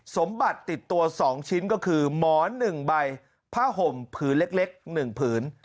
สมบัติติดตัว๒ชิ้นก็คือหมอน๑ใบผ้าห่มผืนเล็ก๑ผืน